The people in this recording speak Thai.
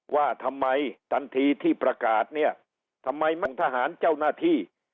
ว่าทำไมทันทีที่ประกาศเนี่ยทำไมมันทหารเจ้าหน้าที่